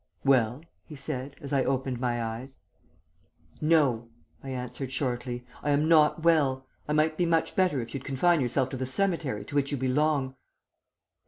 "'Well?' he said, as I opened my eyes. "'No!' I answered shortly, 'I am not well. I might be much better if you'd confine yourself to the cemetery to which you belong.'